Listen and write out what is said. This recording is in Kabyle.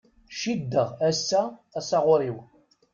Ciddeɣ ass-a asaɣur-iw.